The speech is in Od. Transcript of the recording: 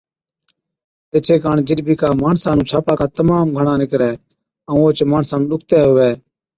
ايڇي ڪاڻ جِڏ بِي ڪا ماڻسا نُون ڇاپاڪا تمام گھڻا نِڪرَي ائُون اوهچ ماڻسا نُون ڏُکتَي هُوَي